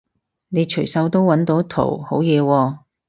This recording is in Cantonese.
你隨手都搵到圖好嘢喎